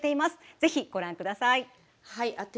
ぜひご覧ください。